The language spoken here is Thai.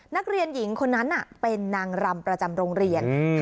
นักเรียนหญิงคนนั้นเป็นนางรำประจำโรงเรียน